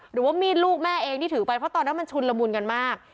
หรือว่ามีดลูกแม่เองที่ถือไปเพราะตอนนั้นมันชุนละมุนกันมาก